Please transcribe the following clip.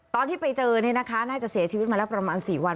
ตอนที่ไปเจอน่าจะเสียชีวิตมาแล้วประมาณ๔วัน